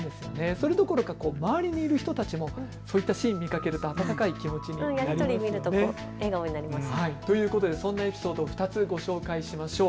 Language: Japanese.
それどころか周りにいる人たちもそういったシーンを見かけると温かい気持ちになりますよね。ということでそんなエピソードを２つご紹介しましょう。